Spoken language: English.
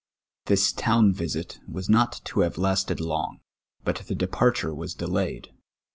This town ^ isit was not to have lasted long : but the depar ture was delayed.